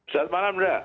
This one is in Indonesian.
selamat malam udra